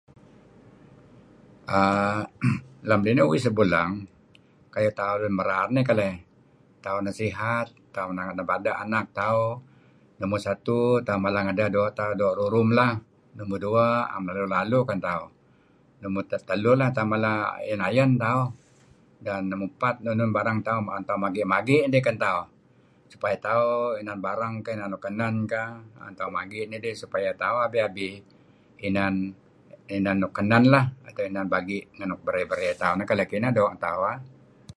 Lem linuh uih sebulang kayu' tauh lun merar tauh nasihat tauh nebada' anak tauh numur satu tauh mala ngedah doo' tauh doo' rurum, numur duah na'em daluh -daluh, numur teluh tauh mala ayen-ayen tauh, numur epat enun barang tauh tu'en tauh magi'- magi' dih kan tauh supaya tauh inan barang inan nuk kenen kah tu'en tauh magi' nidih supaya tauh abi-abi inan nuk kenen lah inan bagi' ngan nuk berey-berey tauh. Kineh keleh, kinah doo' ngan tauh